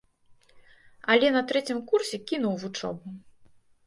Але на трэцім курсе кінуў вучобу.